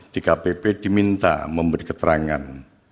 di kpp diminta memberi keterangan